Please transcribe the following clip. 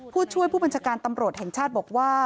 ผู้ช่วยผู้บัญชาการตำรวจแห่งชาติบอกว่า